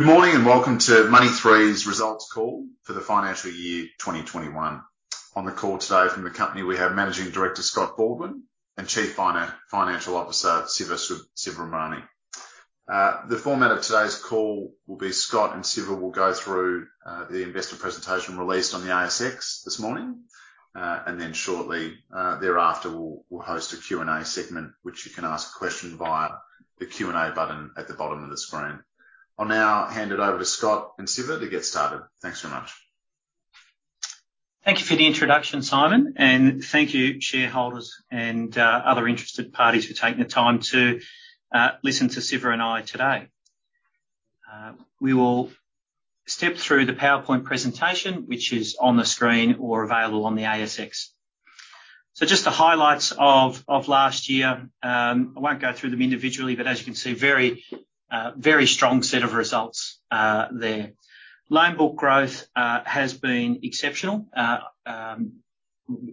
Good morning, and welcome to Money3's results call for the financial year 2021. On the call today from the company, we have Managing Director, Scott Baldwin, and Chief Financial Officer, Siva Subramani. The format of today's call will be Scott and Siva will go through the investor presentation released on the ASX this morning. Shortly thereafter, we'll host a Q&A segment, which you can ask a question via the Q&A button at the bottom of the screen. I'll now hand it over to Scott and Siva to get started. Thanks very much. Thank you for the introduction, Simon. Thank you shareholders and other interested parties for taking the time to listen to Siva and I today. We will step through the PowerPoint presentation, which is on the screen or available on the ASX. Just the highlights of last year. I won't go through them individually, but as you can see, very strong set of results there. Loan book growth has been exceptional.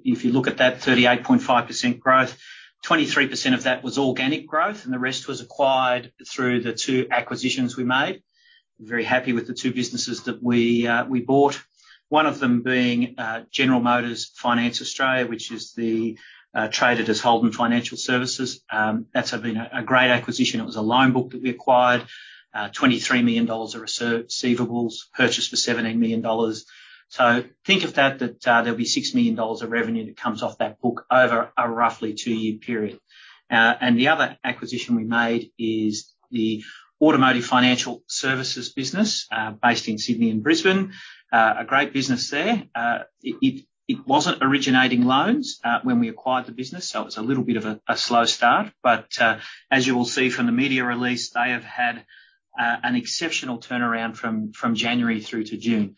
If you look at that 38.5% growth, 23% of that was organic growth, and the rest was acquired through the two acquisitions we made. Very happy with the two businesses that we bought. One of them being General Motors Finance Australia, which is traded as Holden Financial Services. That's been a great acquisition. It was a loan book that we acquired. 23 million dollars of receivables purchased for 17 million dollars. Think of that there'll be 6 million dollars of revenue that comes off that book over a roughly two year period. The other acquisition we made is the Automotive Financial Services business, based in Sydney and Brisbane. A great business there. It wasn't originating loans when we acquired the business, so it was a little bit of a slow start. As you will see from the media release, they have had an exceptional turnaround from January through to June,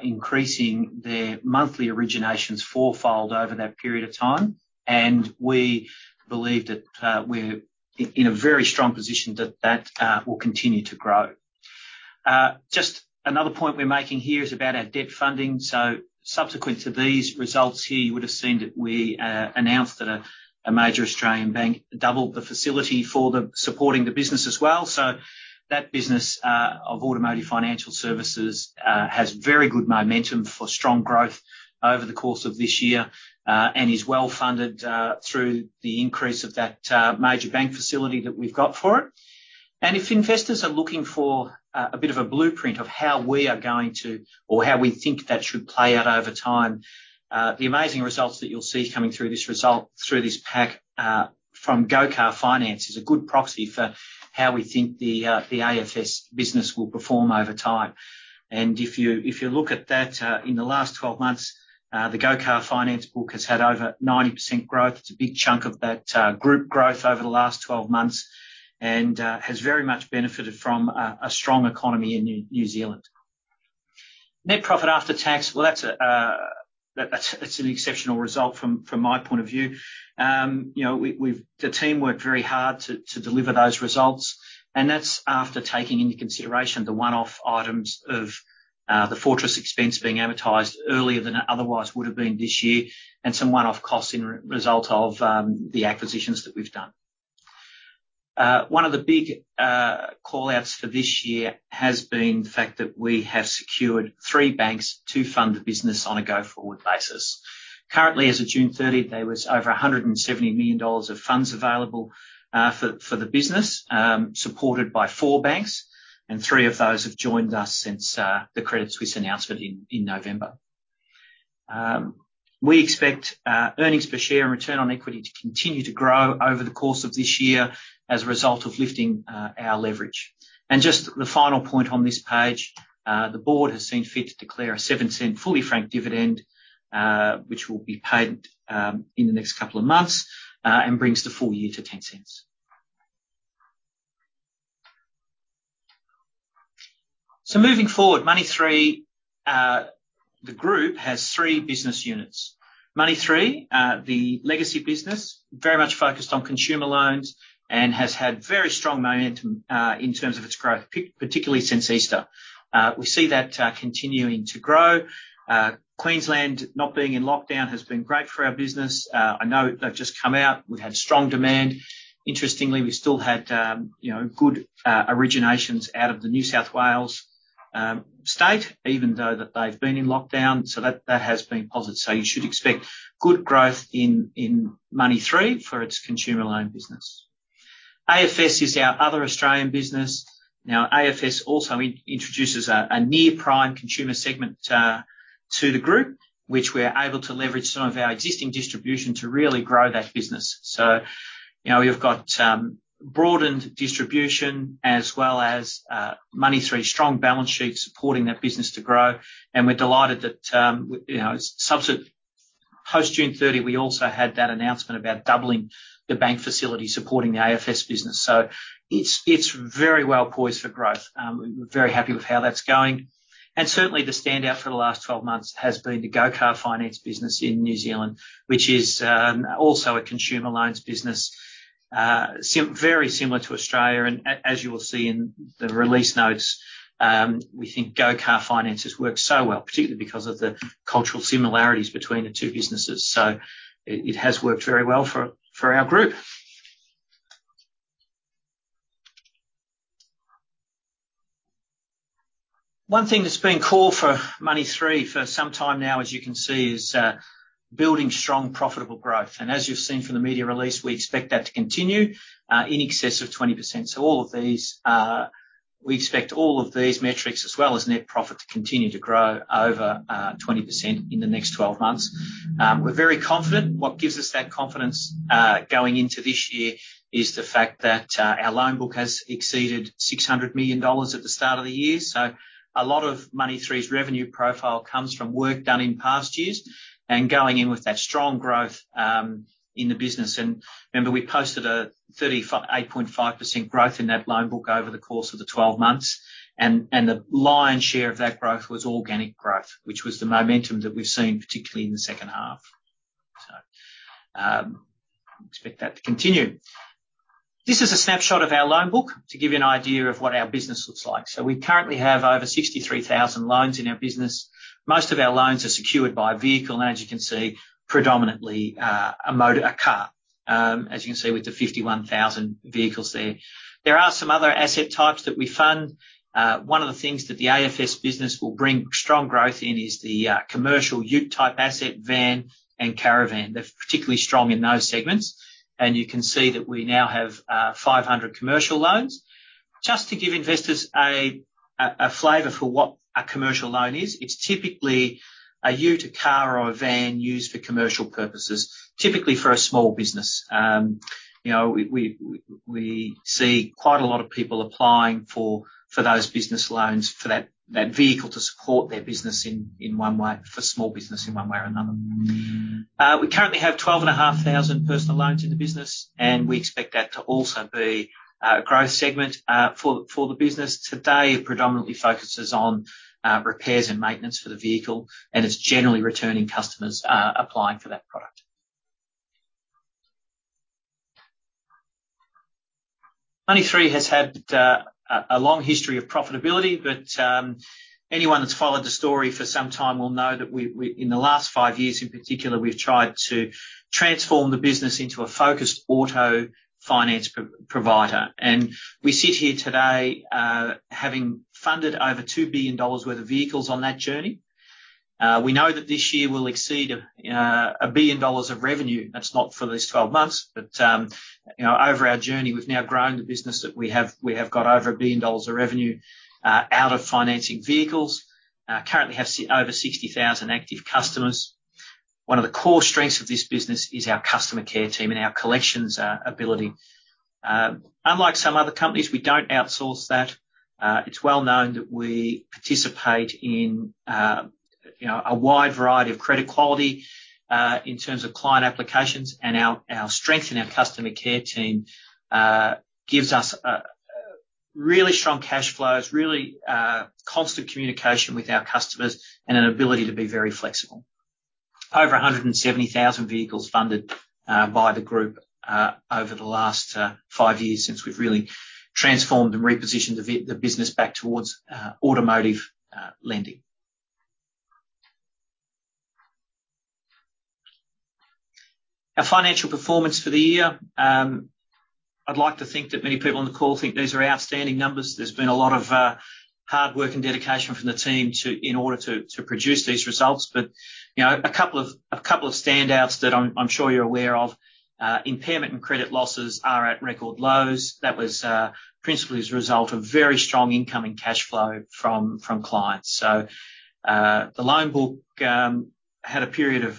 increasing their monthly originations four fold over that period of time, and we believe that we're in a very strong position that that will continue to grow. Just another point we're making here is about our debt funding. Subsequent to these results here, you would've seen that we announced that a major Australian bank doubled the facility for supporting the business as well. That business of Automotive Financial Services has very good momentum for strong growth over the course of this year and is well-funded through the increase of that major bank facility that we've got for it. If investors are looking for a bit of a blueprint of how we are going to or how we think that should play out over time, the amazing results that you'll see coming through this pack from Go Car Finance is a good proxy for how we think the AFS business will perform over time. If you look at that, in the last 12 months, the Go Car Finance book has had over 90% growth. It's a big chunk of that group growth over the last 12 months and has very much benefited from a strong economy in New Zealand. Net profit after tax, well that's an exceptional result from my point of view. That's after taking into consideration the one-off items of the Fortress expense being amortized earlier than it otherwise would've been this year, and some one-off costs in result of the acquisitions that we've done. One of the big call-outs for this year has been the fact that we have secured three banks to fund the business on a go-forward basis. Currently, as of June 30th, there was over 170 million dollars of funds available for the business, supported by four banks, and three of those have joined us since the Credit Suisse announcement in November. We expect earnings per share and return on equity to continue to grow over the course of this year as a result of lifting our leverage. Just the final point on this page, the board has seen fit to declare a 0.07 fully franked dividend, which will be paid in the next couple of months, and brings the full year to 0.10. Moving forward, Money3, the group, has three business units. Money3, the legacy business, very much focused on consumer loans and has had very strong momentum in terms of its growth, particularly since Easter. We see that continuing to grow. Queensland not being in lockdown has been great for our business. I know they've just come out. We've had strong demand. Interestingly, we still had good originations out of the New South Wales state, even though that they've been in lockdown. That has been positive. You should expect good growth in Money3 for its consumer loan business. AFS is our other Australian business. AFS also introduces a near-prime consumer segment to the group, which we are able to leverage some of our existing distribution to really grow that business. You've got broadened distribution as well as Money3's strong balance sheet supporting that business to grow. We're delighted that post June 30, we also had that announcement about doubling the bank facility supporting the AFS business. It's very well poised for growth. We're very happy with how that's going. Certainly the standout for the last 12 months has been the Go Car Finance business in New Zealand, which is also a consumer loans business. Very similar to Australia, as you will see in the release notes, we think Go Car Finance has worked so well, particularly because of the cultural similarities between the two businesses. It has worked very well for our group. One thing that's been core for Money3 for some time now, as you can see, is building strong, profitable growth. As you've seen from the media release, we expect that to continue, in excess of 20%. We expect all of these metrics, as well as net profit, to continue to grow over 20% in the next 12 months. We're very confident. What gives us that confidence going into this year is the fact that our loan book has exceeded 600 million dollars at the start of the year. A lot of Money3's revenue profile comes from work done in past years and going in with that strong growth in the business. Remember, we posted a 38.5% growth in that loan book over the course of the 12 months, and the lion's share of that growth was organic growth, which was the momentum that we've seen, particularly in the second half. Expect that to continue. This is a snapshot of our loan book to give you an idea of what our business looks like. We currently have over 63,000 loans in our business. Most of our loans are secured by a vehicle, and as you can see, predominantly a car. As you can see with the 51,000 vehicles there. There are some other asset types that we fund. One of the things that the AFS business will bring strong growth in is the commercial ute type asset, van, and caravan. They're particularly strong in those segments. You can see that we now have 500 commercial loans. Just to give investors a flavor for what a commercial loan is, it's typically a ute, a car, or a van used for commercial purposes, typically for a small business. We see quite a lot of people applying for those business loans for that vehicle to support their business in one way, for small business in one way or another. We currently have 12,500 personal loans in the business, and we expect that to also be a growth segment for the business. Today, it predominantly focuses on repairs and maintenance for the vehicle, and it's generally returning customers applying for that product. Money3 has had a long history of profitability, but anyone that's followed the story for some time will know that in the last five years in particular, we've tried to transform the business into a focused auto finance provider. We sit here today having funded over 2 billion dollars worth of vehicles on that journey. We know that this year will exceed 1 billion dollars of revenue. That's not for these 12 months, but over our journey, we've now grown the business that we have got over 1 billion dollars of revenue out of financing vehicles. Currently have over 60,000 active customers. One of the core strengths of this business is our customer care team and our collections ability. Unlike some other companies, we don't outsource that. It's well known that we participate in a wide variety of credit quality, in terms of client applications, and our strength in our customer care team gives us really strong cash flows, really constant communication with our customers, and an ability to be very flexible. Over 170,000 vehicles funded by the group over the last five years since we've really transformed and repositioned the business back towards automotive lending. Our financial performance for the year. I'd like to think that many people on the call think these are outstanding numbers. There's been a lot of hard work and dedication from the team in order to produce these results. A couple of standouts that I'm sure you're aware of, impairment and credit losses are at record lows. That was principally as a result of very strong incoming cash flow from clients. The loan book had a period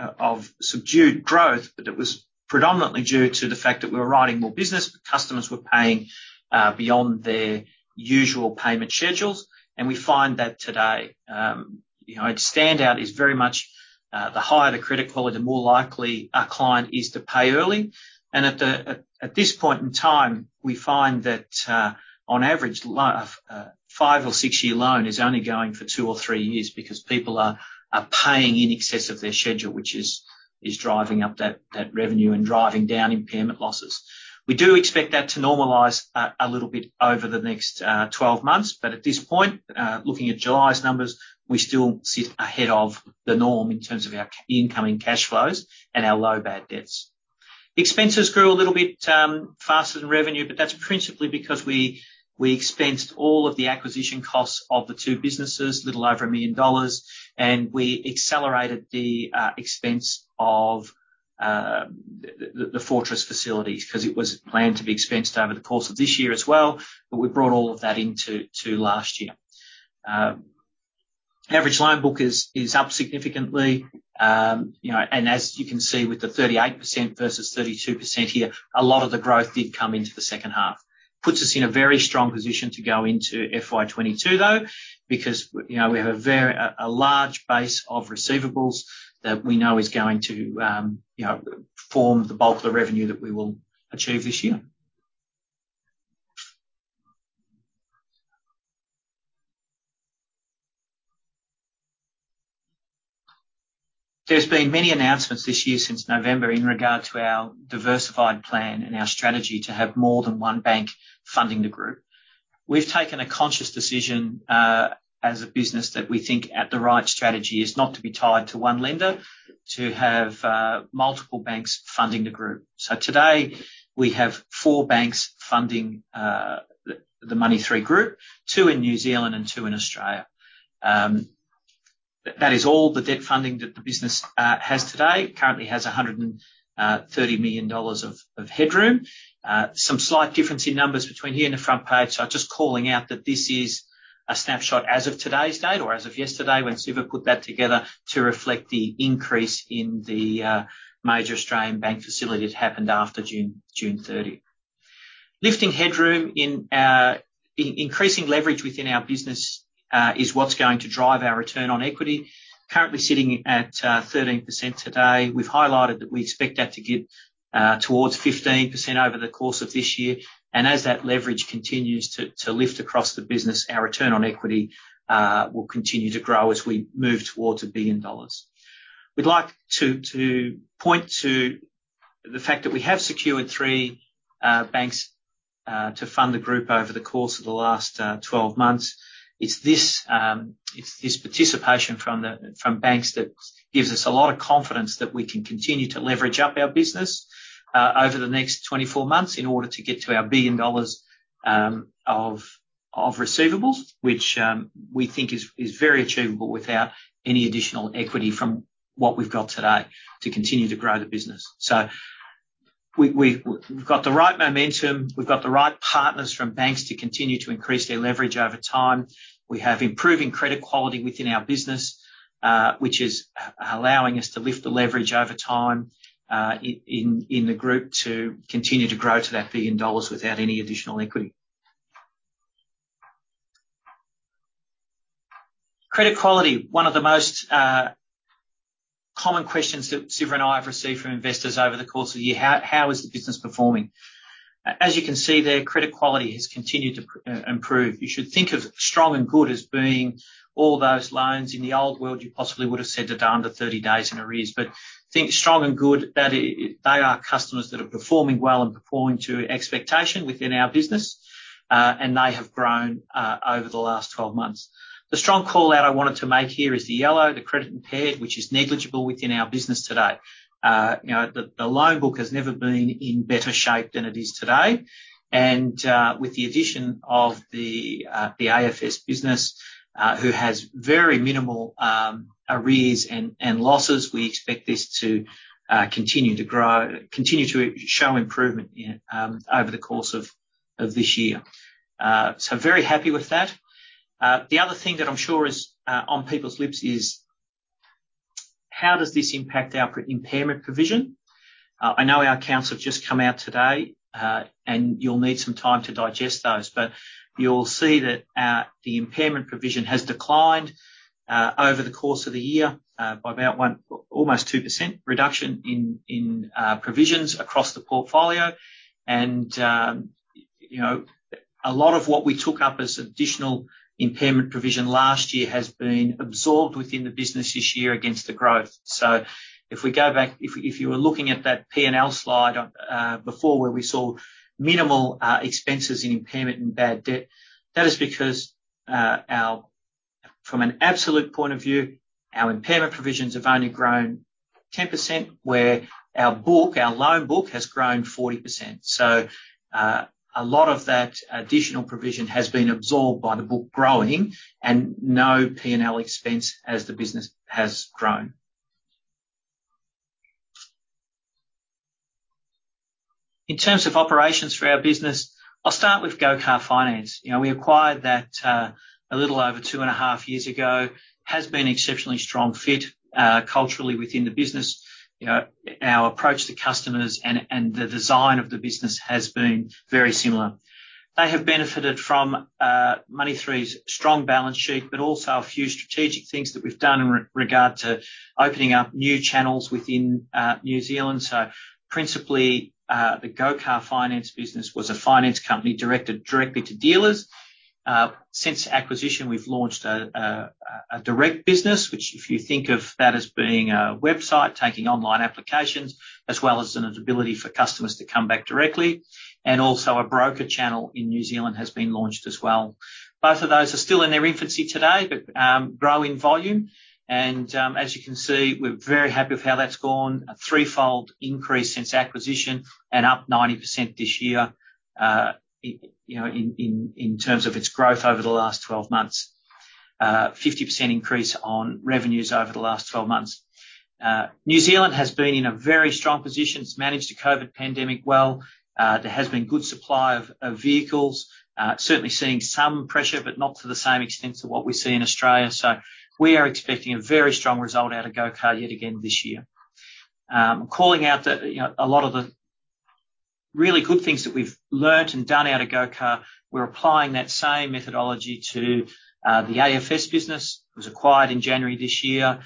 of subdued growth, but it was predominantly due to the fact that we were writing more business, but customers were paying beyond their usual payment schedules. We find that today. Its standout is very much, the higher the credit quality, the more likely a client is to pay early. At this point in time, we find that, on average, five or six year loan is only going for two or three years because people are paying in excess of their schedule, which is driving up that revenue and driving down impairment losses. We do expect that to normalize a little bit over the next 12 months, but at this point, looking at July's numbers, we still sit ahead of the norm in terms of our incoming cash flows and our low bad debts. Expenses grew a little bit faster than revenue, but that's principally because we expensed all of the acquisition costs of the two businesses, a little over 1 million dollars, and we accelerated the expense of the Fortress facilities because it was planned to be expensed over the course of this year as well. We brought all of that into last year. Average loan book is up significantly, and as you can see with the 38% versus 32% here, a lot of the growth did come into the second half. Puts us in a very strong position to go into FY 2022, though, because we have a large base of receivables that we know is going to form the bulk of the revenue that we will achieve this year. There's been many announcements this year, since November, in regard to our diversified plan and our strategy to have more than one bank funding the group. We've taken a conscious decision as a business that we think the right strategy is not to be tied to one lender. To have multiple banks funding the group. Today, we have four banks funding the Money3 group, two in New Zealand and two in Australia. That is all the debt funding that the business has today. Currently has 130 million dollars of headroom. Some slight difference in numbers between here and the front page. I'm just calling out that this is a snapshot as of today's date or as of yesterday when Siva put that together to reflect the increase in the major Australian bank facility that happened after June 30th. Increasing leverage within our business is what's going to drive our return on equity. Currently sitting at 13% today. We've highlighted that we expect that to get towards 15% over the course of this year. As that leverage continues to lift across the business, our return on equity will continue to grow as we move towards 1 billion dollars. We'd like to point to the fact that we have secured three banks to fund the group over the course of the last 12 months. It's this participation from banks that gives us a lot of confidence that we can continue to leverage up our business over the next 24 months in order to get to our 1 billion dollars of receivables, which we think is very achievable without any additional equity from what we've got today to continue to grow the business. We've got the right momentum. We've got the right partners from banks to continue to increase their leverage over time. We have improving credit quality within our business, which is allowing us to lift the leverage over time in the group to continue to grow to that 1 billion dollars without any additional equity. Credit quality, one of the most common questions that Siva and I have received from investors over the course of the year, how is the business performing? As you can see there, credit quality has continued to improve. You should think of strong and good as being all those loans in the old world you possibly would have said are down to 30 days in arrears. Think strong and good. They are customers that are performing well and performing to expectation within our business. They have grown over the last 12 months. The strong call-out I wanted to make here is the yellow, the credit impaired, which is negligible within our business today. The loan book has never been in better shape than it is today. With the addition of the AFS business who has very minimal arrears and losses, we expect this to continue to show improvement over the course of this year. Very happy with that. The other thing that I'm sure is on people's lips is, how does this impact our impairment provision? I know our accounts have just come out today, and you'll need some time to digest those. You'll see that the impairment provision has declined over the course of the year by about almost 2% reduction in provisions across the portfolio. A lot of what we took up as additional impairment provision last year has been absorbed within the business this year against the growth. If you were looking at that P&L slide before where we saw minimal expenses in impairment and bad debt, that is because from an absolute point of view, our impairment provisions have only grown 10%, where our loan book has grown 40%. A lot of that additional provision has been absorbed by the book growing, and no P&L expense as the business has grown. In terms of operations for our business, I'll start with Go Car Finance. We acquired that a little over two and a half years ago. It has been exceptionally strong fit culturally within the business. Our approach to customers and the design of the business has been very similar. They have benefited from Money3's strong balance sheet, but also a few strategic things that we've done in regard to opening up new channels within New Zealand. Principally, the Go Car Finance business was a finance company directed directly to dealers. Since acquisition, we've launched a direct business, which if you think of that as being a website, taking online applications, as well as an ability for customers to come back directly. Also a broker channel in New Zealand has been launched as well. Both of those are still in their infancy today, but growing volume. As you can see, we're very happy with how that's gone. three fold increase since acquisition and up 90% this year in terms of its growth over the last 12 months. 50% increase on revenues over the last 12 months. New Zealand has been in a very strong position. It's managed the COVID pandemic well. There has been good supply of vehicles. Certainly seeing some pressure, but not to the same extent of what we see in Australia. We are expecting a very strong result out of Go Car yet again this year. Calling out that a lot of the really good things that we've learnt and done out of Go Car, we're applying that same methodology to the AFS business. It was acquired in January this year.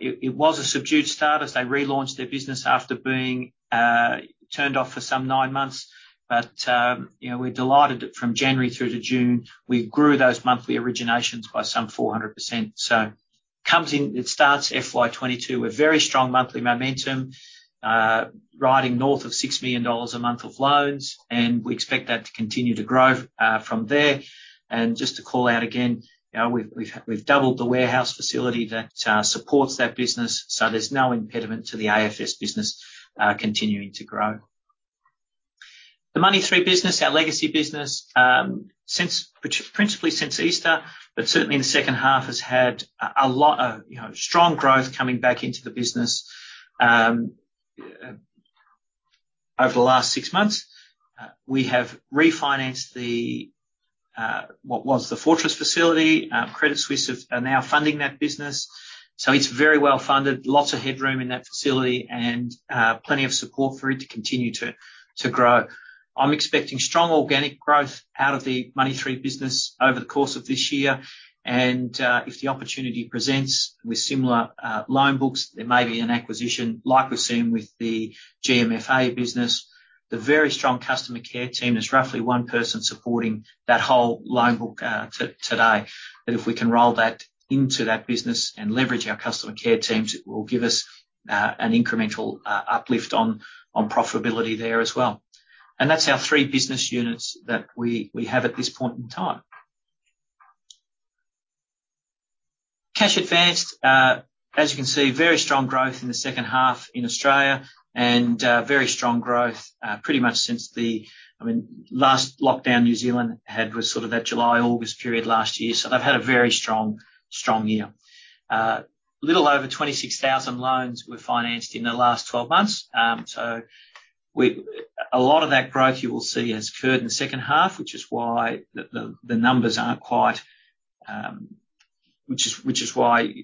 It was a subdued start as they relaunched their business after being turned off for some nine months. We're delighted that from January through to June, we grew those monthly originations by some 400%. It starts FY 2022 with very strong monthly momentum, riding north of 6 million dollars a month of loans, and we expect that to continue to grow from there. Just to call out again, we've doubled the warehouse facility that supports that business, so there's no impediment to the AFS business continuing to grow. The Money3 business, our legacy business, principally since Easter, but certainly in the second half, has had a lot of strong growth coming back into the business. Over the last six months, we have refinanced what was the Fortress facility. Credit Suisse are now funding that business. It's very well-funded. Lots of headroom in that facility and plenty of support for it to continue to grow. I'm expecting strong organic growth out of the Money3 business over the course of this year. If the opportunity presents with similar loan books, there may be an acquisition like we've seen with the GMFA business. The very strong customer care team is roughly one person supporting that whole loan book today. If we can roll that into that business and leverage our customer care teams, it will give us an incremental uplift on profitability there as well. That's our three business units that we have at this point in time. Cash advanced. As you can see, very strong growth in the second half in Australia and very strong growth pretty much since the last lockdown New Zealand had was sort of that July, August period last year. They've had a very strong year. Little over 26,000 loans were financed in the last 12 months. A lot of that growth, you will see, has occurred in the second half, which is why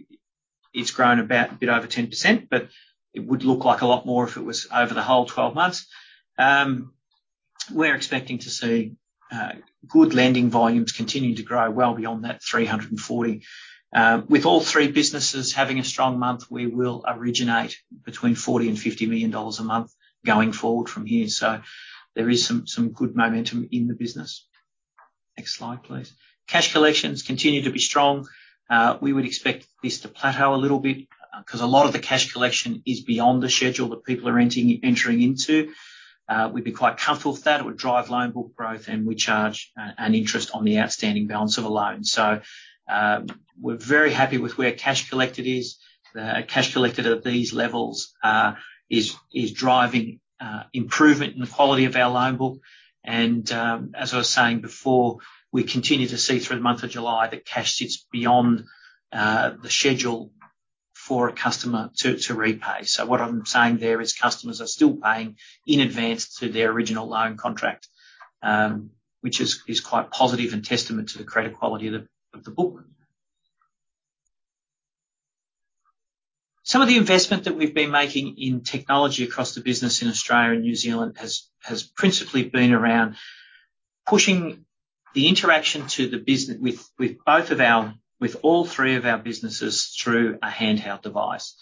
it's grown about a bit over 10%, but it would look like a lot more if it was over the whole 12 months. We're expecting to see good lending volumes continuing to grow well beyond that 340. With all three businesses having a strong month, we will originate between 40 million-50 million dollars a month going forward from here. There is some good momentum in the business. Next slide, please. Cash collections continue to be strong. We would expect this to plateau a little bit, because a lot of the cash collection is beyond the schedule that people are entering into. We'd be quite comfortable with that. It would drive loan book growth, and we charge an interest on the outstanding balance of a loan. We're very happy with where cash collected is. Cash collected at these levels is driving improvement in the quality of our loan book. As I was saying before, we continue to see through the month of July that cash sits beyond the schedule for a customer to repay. What I'm saying there is customers are still paying in advance to their original loan contract, which is quite positive and testament to the credit quality of the book. Some of the investment that we've been making in technology across the business in Australia and New Zealand has principally been around pushing the interaction to the business with all three of our businesses through a handheld device.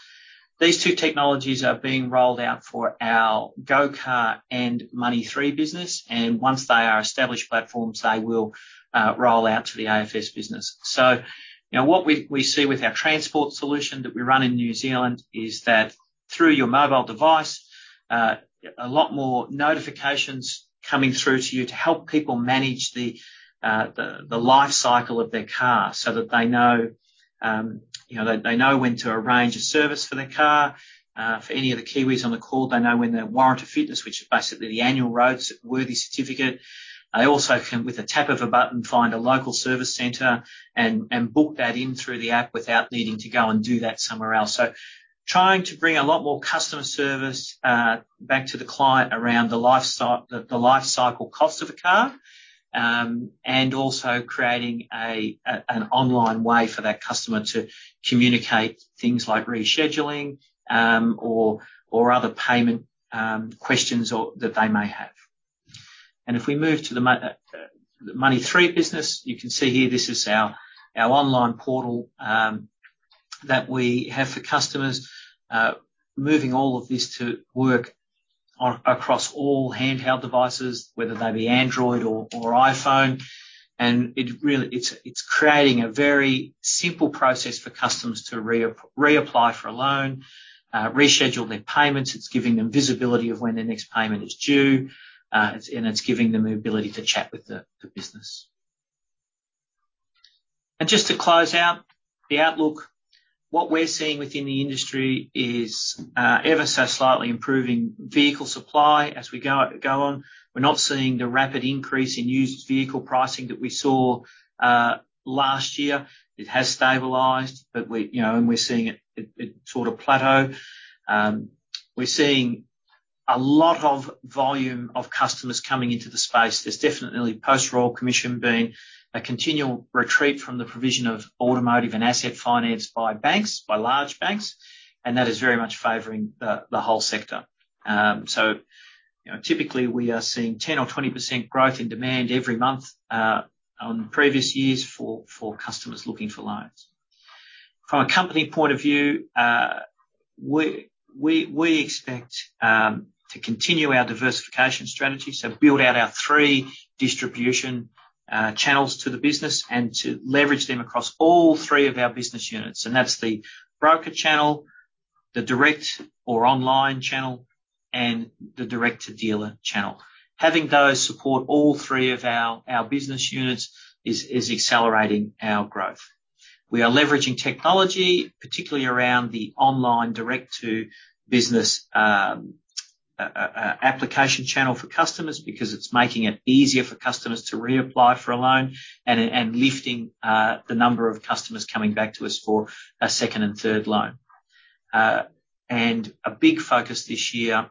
These two technologies are being rolled out for our Go Car and Money3 business. Once they are established platforms, they will roll out to the AFS business. What we see with our transport solution that we run in New Zealand is that through your mobile device, a lot more notifications coming through to you to help people manage the life cycle of their car so that they know when to arrange a service for their car. For any of the Kiwis on the call, they know when their warrant of fitness, which is basically the annual roadworthy certificate. They also can, with a tap of a button, find a local service center and book that in through the app without needing to go and do that somewhere else. Trying to bring a lot more customer service back to the client around the life cycle cost of a car, and also creating an online way for that customer to communicate things like rescheduling, or other payment questions that they may have. If we move to the Money3 business, you can see here, this is our online portal that we have for customers. Moving all of this to work across all handheld devices, whether they be Android or iPhone. It's creating a very simple process for customers to reapply for a loan, reschedule their payments. It's giving them visibility of when their next payment is due. It's giving them the ability to chat with the business. Just to close out the outlook, what we're seeing within the industry is ever so slightly improving vehicle supply as we go on. We're not seeing the rapid increase in used vehicle pricing that we saw last year. It has stabilized, and we're seeing it sort of plateau. We're seeing a lot of volume of customers coming into the space. There's definitely, post Royal Commission, been a continual retreat from the provision of automotive and asset finance by banks, by large banks, and that is very much favoring the whole sector. Typically, we are seeing 10% or 20% growth in demand every month on previous years for customers looking for loans. From a company point of view, we expect to continue our diversification strategy. Build out our three distribution channels to the business and to leverage them across all three of our business units. That's the broker channel, the direct or online channel, and the direct-to-dealer channel. Having those support all three of our business units is accelerating our growth. We are leveraging technology, particularly around the online direct-to-business application channel for customers, because it's making it easier for customers to reapply for a loan and lifting the number of customers coming back to us for a second and third loan. A big focus this year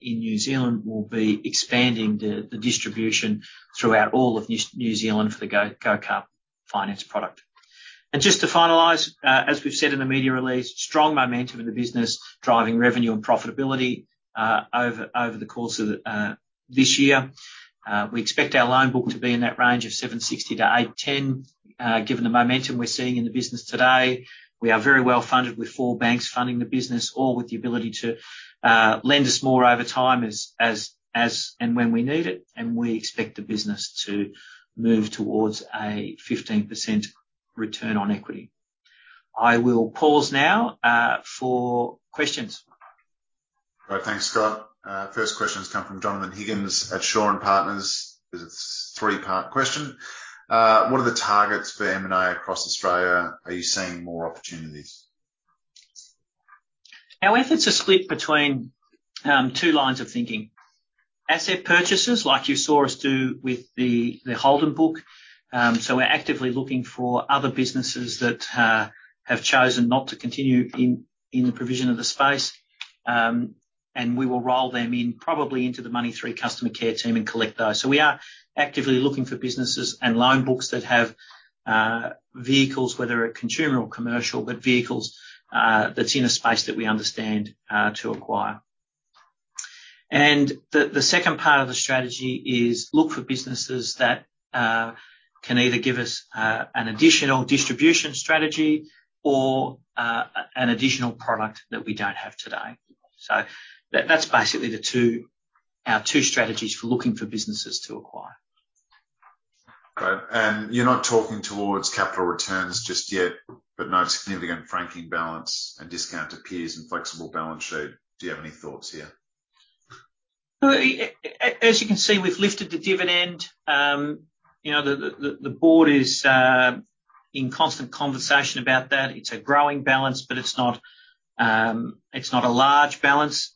in New Zealand will be expanding the distribution throughout all of New Zealand for the Go Car Finance product. Just to finalize, as we've said in the media release, strong momentum in the business, driving revenue and profitability over the course of this year. We expect our loan book to be in that range of 760 - 810 given the momentum we're seeing in the business today. We are very well-funded with four banks funding the business, all with the ability to lend us more over time as and when we need it. We expect the business to move towards a 15% return on equity. I will pause now for questions. Great. Thanks, Scott. First questions come from Jonathon Higgins at Shaw and Partners. It's a three-part question. What are the targets for M&A across Australia? Are you seeing more opportunities? Our efforts are split between two lines of thinking. Asset purchases like you saw us do with the Holden book. We're actively looking for other businesses that have chosen not to continue in the provision of the space. We will roll them in, probably into the Money3 customer care team and collect those. We are actively looking for businesses and loan books that have vehicles, whether they're consumer or commercial, but vehicles that's in a space that we understand to acquire. The second part of the strategy is look for businesses that can either give us an additional distribution strategy or an additional product that we don't have today. That's basically our two strategies for looking for businesses to acquire. Great. You're not talking towards capital returns just yet, but no significant franking balance and discount to peers and flexible balance sheet. Do you have any thoughts here? As you can see, we've lifted the dividend. The board is in constant conversation about that. It's a growing balance, but it's not a large balance.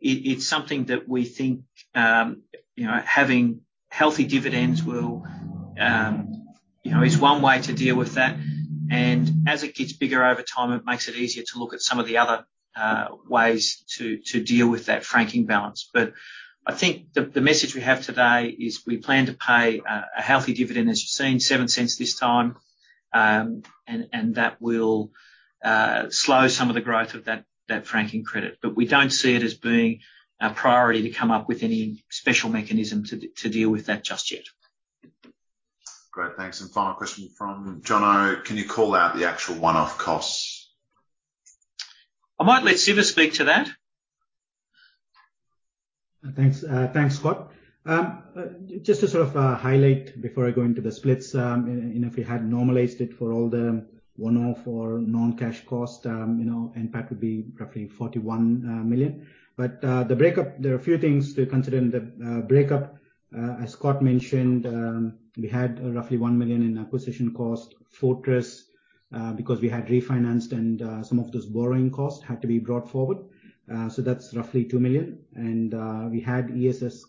It's something that we think having healthy dividends is one way to deal with that. As it gets bigger over time, it makes it easier to look at some of the other ways to deal with that franking balance. I think the message we have today is we plan to pay a healthy dividend, as you've seen, 0.07 this time. That will slow some of the growth of that franking credit. We don't see it as being a priority to come up with any special mechanism to deal with that just yet. Great. Thanks. Final question from John O. Can you call out the actual one-off costs? I might let Siva speak to that. Thanks, Scott. Just to sort of highlight before I go into the splits, if we had normalized it for all the one-off or non-cash cost, NPAT would be roughly 41 million. There are a few things to consider in the breakup. As Scott mentioned, we had roughly 1 million in acquisition cost. Fortress, because we had refinanced and some of those borrowing costs had to be brought forward. That's roughly 2 million. We had ESS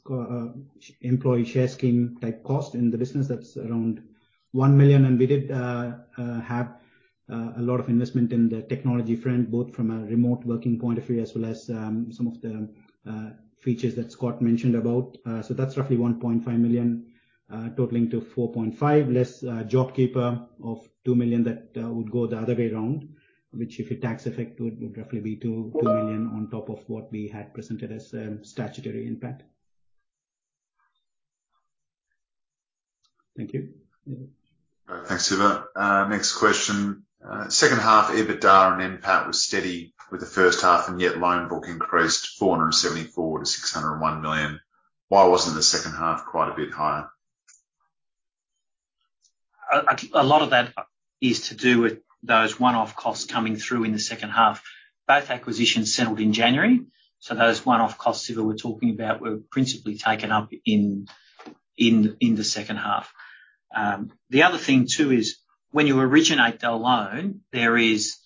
employee share scheme type cost in the business. That's around 1 million. We did have a lot of investment in the technology front, both from a remote working point of view as well as some of the features that Scott mentioned about. That's roughly 1.5 million totaling to 4.5 less JobKeeper of 2 million that would go the other way around, which if a tax effect would roughly be 2 million on top of what we had presented as statutory NPAT. Thank you. Thanks, Siva. Next question. Second half EBITDA and NPAT was steady with the first half, yet loan book increased 474 million to 601 million. Why wasn't the second half quite a bit higher? A lot of that is to do with those one-off costs coming through in the second half. Both acquisitions settled in January, those one-off costs Siva we're talking about were principally taken up in the second half. The other thing too is when you originate the loan, there is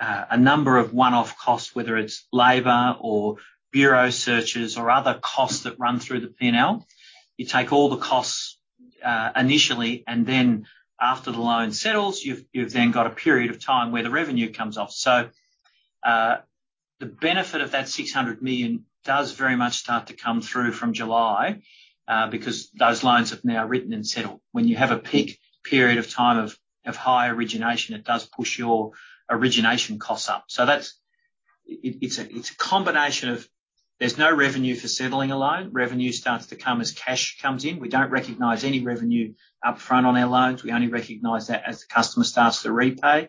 a number of one-off costs, whether it's labor or bureau searches or other costs that run through the P&L. You take all the costs initially, and then after the loan settles, you've then got a period of time where the revenue comes off. The benefit of that 600 million does very much start to come through from July because those loans have now written and settled. When you have a peak period of time of high origination, it does push your origination costs up. It's a combination of there's no revenue for settling a loan. Revenue starts to come as cash comes in. We don't recognize any revenue up front on our loans. We only recognize that as the customer starts to repay.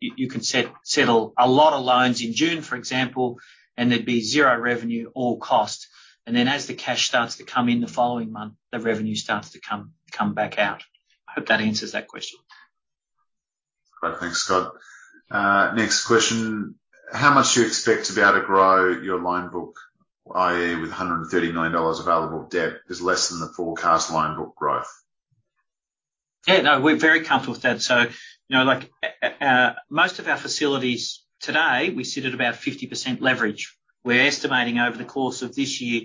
You can settle a lot of loans in June, for example, and there'd be zero revenue, all cost. Then as the cash starts to come in the following month, the revenue starts to come back out. Hope that answers that question. Great. Thanks, Scott. Next question, how much do you expect to be able to grow your loan book, i.e., with 130 million dollars available debt is less than the forecast loan book growth? Yeah, no, we're very comfortable with that. Most of our facilities today, we sit at about 50% leverage. We're estimating over the course of this year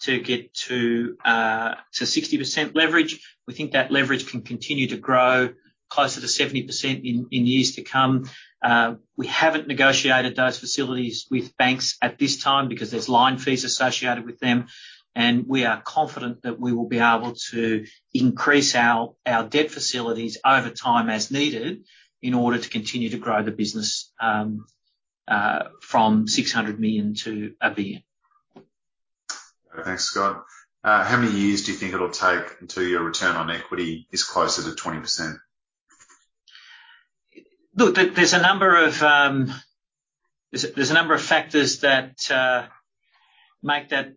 to get to 60% leverage. We think that leverage can continue to grow closer to 70% in years to come. We haven't negotiated those facilities with banks at this time because there's line fees associated with them, and we are confident that we will be able to increase our debt facilities over time as needed in order to continue to grow the business, from AUD 600 million-AUD 1 billion. Thanks, Scott. How many years do you think it'll take until your return on equity is closer to 20%? Look, there's a number of factors that make that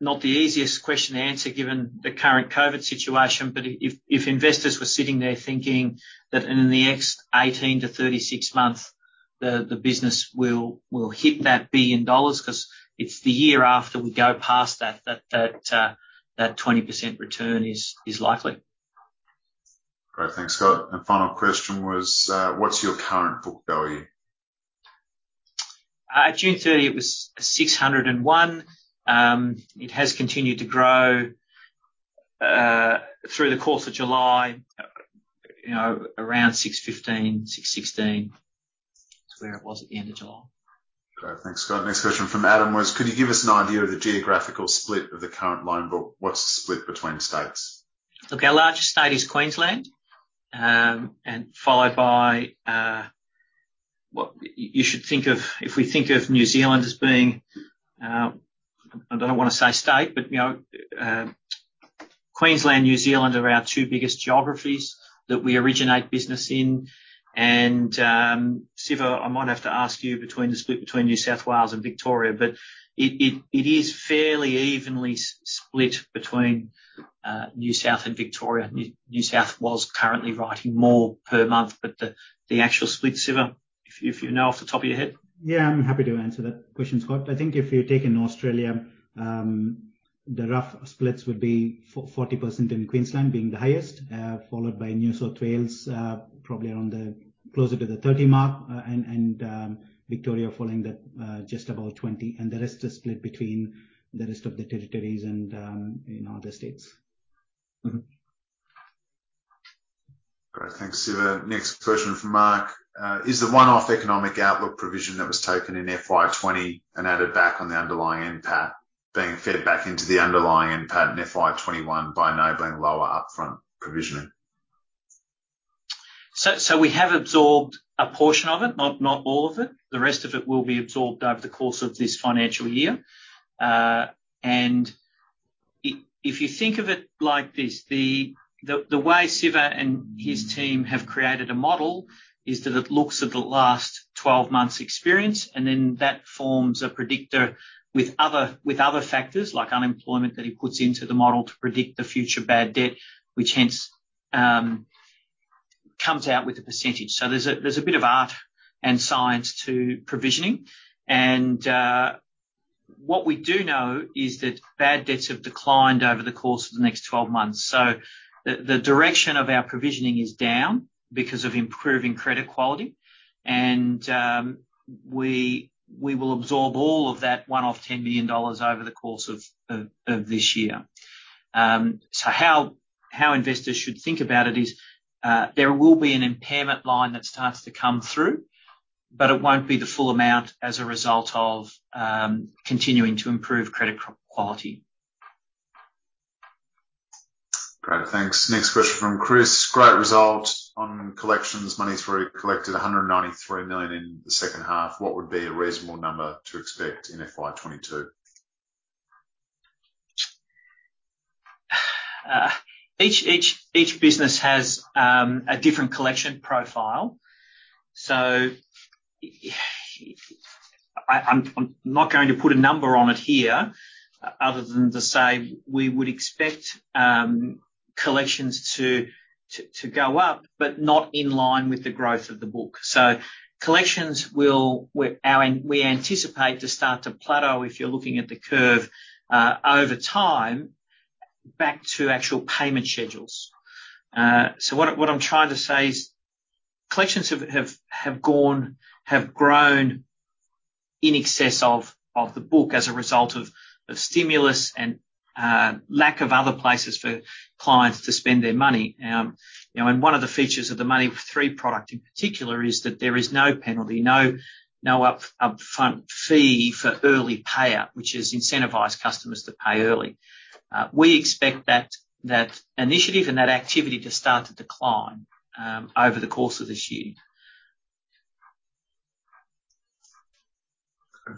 not the easiest question to answer given the current COVID situation. If investors were sitting there thinking that in the next 18-36 months the business will hit that 1 billion dollars, because it's the year after we go past that 20% return is likely. Great. Thanks, Scott. Final question was, what's your current book value? At June 30, it was 601. It has continued to grow, through the course of July, around 615, 616 is where it was at the end of July. Okay, thanks, Scott. Next question from Adam was, could you give us an idea of the geographical split of the current loan book? What's the split between states? Look, our largest state is Queensland, followed by If we think of New Zealand as being, I don't want to say state, but Queensland and New Zealand are our two biggest geographies that we originate business in. Siva, I might have to ask you between the split between New South Wales and Victoria, it is fairly evenly split between New South and Victoria. New South Wales currently writing more per month. The actual split, Siva, if you know off the top of your head? Yeah, I'm happy to answer that question, Scott. I think if you're taking Australia, the rough splits would be 40% in Queensland being the highest, followed by New South Wales, probably around closer to the 30 mark, and Victoria following that, just above 20, and the rest is split between the rest of the territories and other states. Great. Thanks, Siva. Next question from Mark. Is the one-off economic outlook provision that was taken in FY 2020 and added back on the underlying NPAT being fed back into the underlying NPAT in FY 2021 by enabling lower upfront provisioning? We have absorbed a portion of it, not all of it. The rest of it will be absorbed over the course of this financial year. If you think of it like this, the way Siva and his team have created a model is that it looks at the last 12 months' experience, and then that forms a predictor with other factors like unemployment that he puts into the model to predict the future bad debt, which hence comes out with a percentage. There's a bit of art and science to provisioning. What we do know is that bad debts have declined over the course of the next 12 months. The direction of our provisioning is down because of improving credit quality. We will absorb all of that one-off 10 million dollars over the course of this year. How investors should think about it is, there will be an impairment line that starts to come through, but it won't be the full amount as a result of continuing to improve credit quality. Great. Thanks. Next question from Chris. Great result on collections. Money3 collected 193 million in the second half. What would be a reasonable number to expect in FY 2022? Each business has a different collection profile. I'm not going to put a number on it here other than to say we would expect collections to go up, but not in line with the growth of the book. Collections we anticipate to start to plateau, if you're looking at the curve, over time back to actual payment schedules. What I'm trying to say is collections have grown in excess of the book as a result of stimulus and lack of other places for clients to spend their money. One of the features of the Money3 product in particular is that there is no penalty, no upfront fee for early payout, which has incentivized customers to pay early. We expect that initiative and that activity to start to decline over the course of this year.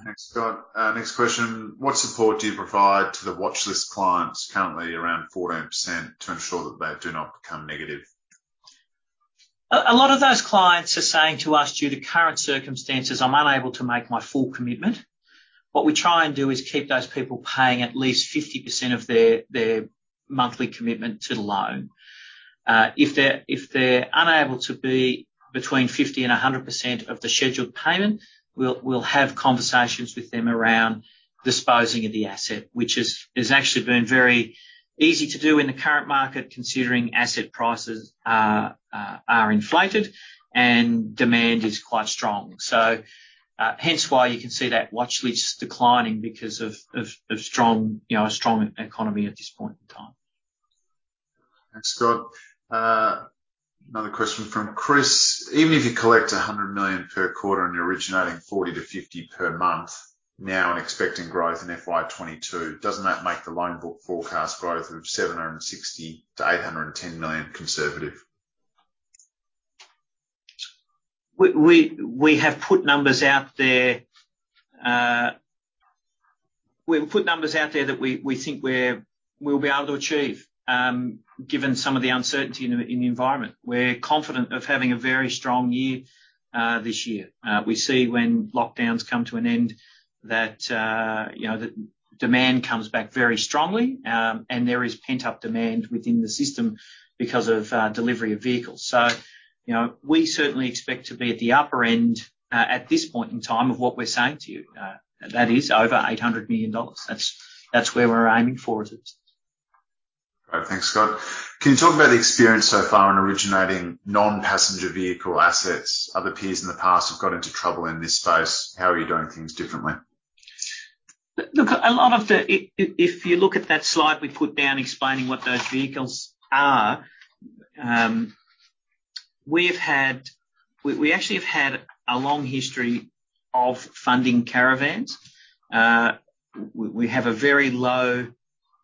Thanks, Scott. Next question, what support do you provide to the watchlist clients, currently around 14%, to ensure that they do not become negative? A lot of those clients are saying to us, "Due to current circumstances, I'm unable to make my full commitment." What we try and do is keep those people paying at least 50% of their monthly commitment to the loan. If they're unable to pay between 50% and 100% of the scheduled payment, we'll have conversations with them around disposing of the asset, which has actually been very easy to do in the current market, considering asset prices are inflated and demand is quite strong. Hence why you can see that watchlist declining because of a strong economy at this point in time. Thanks, Scott. Another question from Chris. Even if you collect 100 million per quarter and you're originating 40-50 per month now and expecting growth in FY 2022, doesn't that make the loan book forecast growth of 760 million-810 million conservative? We have put numbers out there that we think we'll be able to achieve, given some of the uncertainty in the environment. We're confident of having a very strong year this year. We see when lockdowns come to an end that the demand comes back very strongly, and there is pent-up demand within the system because of delivery of vehicles. We certainly expect to be at the upper end, at this point in time, of what we're saying to you. That is over 800 million dollars. That's where we're aiming for as a business. All right. Thanks, Scott. Can you talk about the experience so far in originating non-passenger vehicle assets? Other peers in the past have got into trouble in this space. How are you doing things differently? Look, if you look at that slide we put down explaining what those vehicles are, we actually have had a long history of funding caravans. We have a very low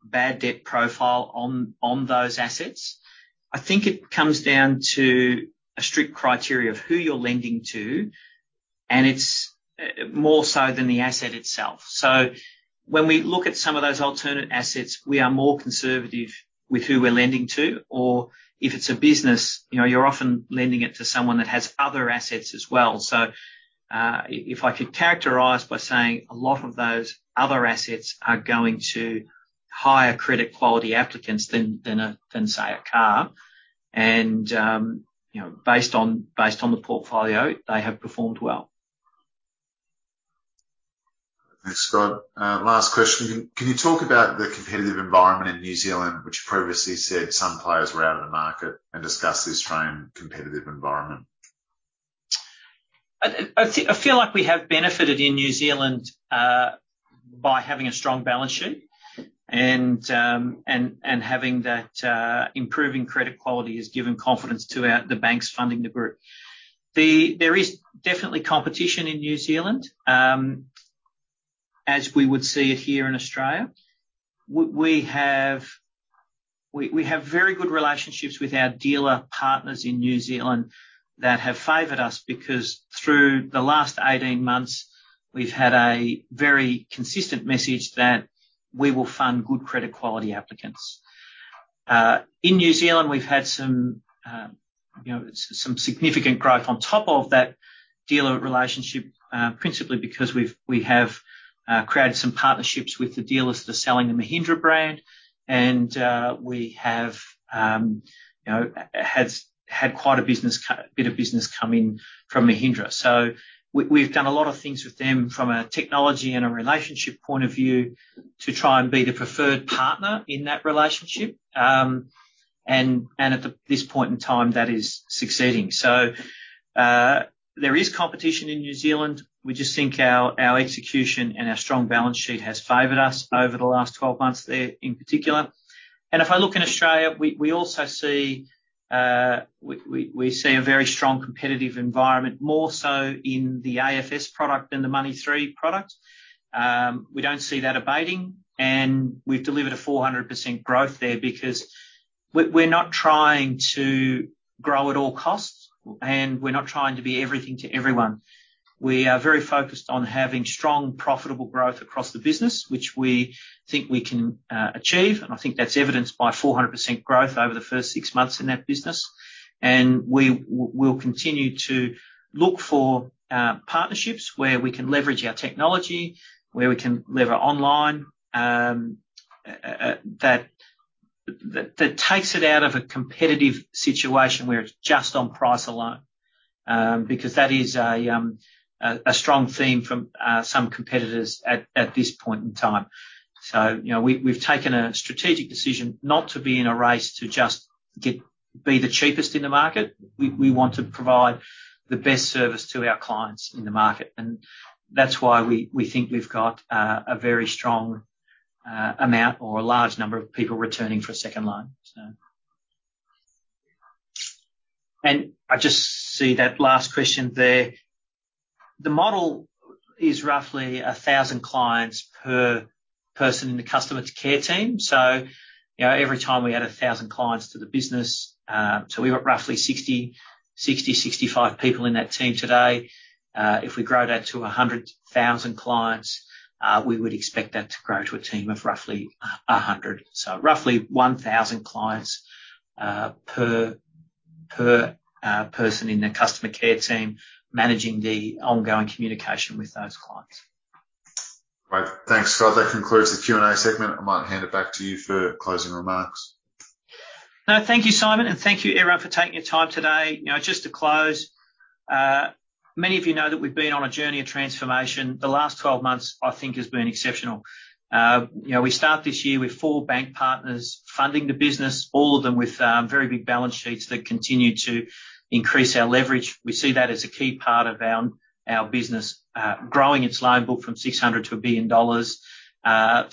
bad debt profile on those assets. I think it comes down to a strict criteria of who you're lending to, and it's more so than the asset itself. When we look at some of those alternate assets, we are more conservative with who we're lending to. If it's a business, you're often lending it to someone that has other assets as well. If I could characterize by saying a lot of those other assets are going to higher credit quality applicants than, say, a car. Based on the portfolio, they have performed well. Thanks, Scott. Last question. Can you talk about the competitive environment in New Zealand, which previously you said some players were out of the market, and discuss the Australian competitive environment? I feel like we have benefited in New Zealand by having a strong balance sheet and having that improving credit quality has given confidence to the banks funding the group. There is definitely competition in New Zealand, as we would see it here in Australia. We have very good relationships with our dealer partners in New Zealand that have favored us, because through the last 18 months we've had a very consistent message that we will fund good credit quality applicants. In New Zealand, we've had some significant growth on top of that dealer relationship, principally because we have created some partnerships with the dealers that are selling the Mahindra brand. We have had quite a bit of business come in from Mahindra. We've done a lot of things with them from a technology and a relationship point of view to try and be the preferred partner in that relationship. At this point in time, that is succeeding. There is competition in New Zealand. We just think our execution and our strong balance sheet has favored us over the last 12 months there in particular. If I look in Australia, we also see a very strong competitive environment, more so in the AFS product than the Money3 product. We don't see that abating, and we've delivered a 400% growth there because we're not trying to grow at all costs, and we're not trying to be everything to everyone. We are very focused on having strong, profitable growth across the business, which we think we can achieve, and I think that's evidenced by 400% growth over the first six months in that business. We'll continue to look for partnerships where we can leverage our technology, where we can lever online, that takes it out of a competitive situation where it's just on price alone, because that is a strong theme from some competitors at this point in time. We've taken a strategic decision not to be in a race to just be the cheapest in the market. We want to provide the best service to our clients in the market, and that's why we think we've got a very strong amount or a large number of people returning for a second loan. I just see that last question there. The model is roughly 1,000 clients per person in the customer care team. Every time we add 1,000 clients to the business, so we've got roughly 60, 65 people in that team today. If we grow that to 100,000 clients, we would expect that to grow to a team of roughly 100. Roughly 1,000 clients per person in the customer care team managing the ongoing communication with those clients. Great. Thanks, Scott. That concludes the Q&A segment. I might hand it back to you for closing remarks. No, thank you, Simon. Thank you everyone for taking your time today. Just to close, many of you know that we've been on a journey of transformation. The last 12 months, I think, has been exceptional. We start this year with four bank partners funding the business, all of them with very big balance sheets that continue to increase our leverage. We see that as a key part of our business, growing its loan book from 600 million-1 billion dollars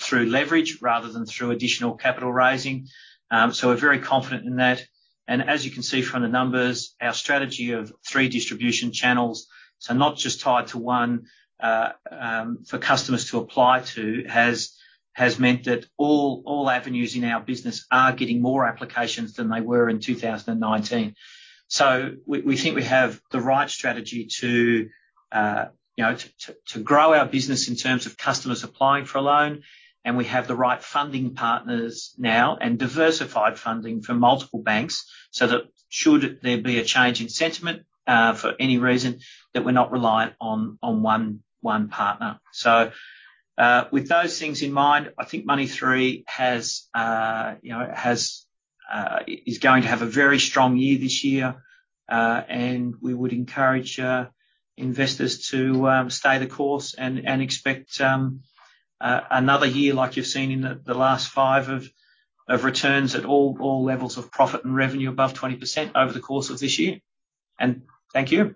through leverage rather than through additional capital raising. We're very confident in that. As you can see from the numbers, our strategy of three distribution channels, so not just tied to one for customers to apply to, has meant that all avenues in our business are getting more applications than they were in 2019. We think we have the right strategy to grow our business in terms of customers applying for a loan, and we have the right funding partners now and diversified funding for multiple banks, so that should there be a change in sentiment for any reason, that we're not reliant on one partner. With those things in mind, I think Money3 is going to have a very strong year this year, and we would encourage investors to stay the course and expect another year like you've seen in the last five of returns at all levels of profit and revenue above 20% over the course of this year. Thank you.